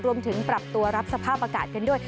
รวมถึงปรับตัวรับสภาพอากาศกันด้วย